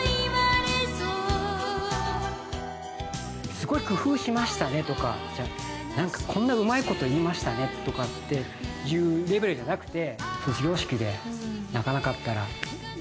すごい工夫しましたねとか何かこんなうまいこと言いましたねとかっていうレベルじゃなくて。